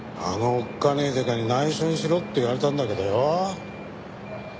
あのおっかねえデカに内緒にしろって言われたんだけどよ。